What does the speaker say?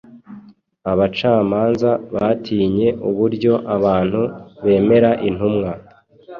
Abacamanza batinye uburyo abantu bemera intumwa